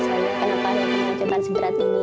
kenapa saya punya ancaman seberat ini